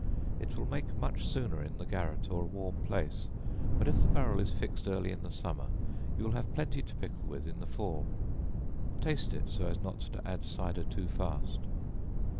It will make much sooner in the garret or a warm place, but if the barrel is fixed early in the summer, you will have plenty to pickle with in the fall; taste it so as not to add cider too fast.